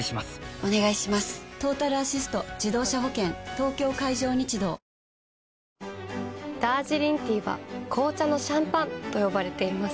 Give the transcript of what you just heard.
東京海上日動ダージリンティーは紅茶のシャンパンと呼ばれています。